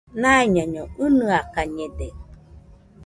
Naiñaiño ɨnɨakañede